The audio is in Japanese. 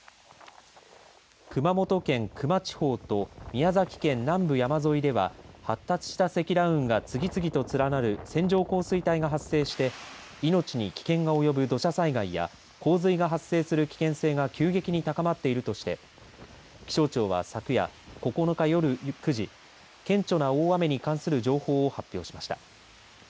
熊本県球磨地方と宮崎県南部山沿いでは発達した積乱雲が次々と連なる線状降水帯が発生して命に危険が及ぶ土砂災害や洪水が発生する危険性が急激に高まっているとして気象庁は昨夜、９日夜９時顕著な大雨に関する情報を発表しました。